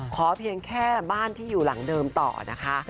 เพียงแค่บ้านที่อยู่หลังเดิมต่อนะคะ